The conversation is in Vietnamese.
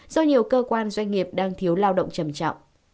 do nhiều cơ quan doanh nghiệp đang thiếu lao động trầm trọng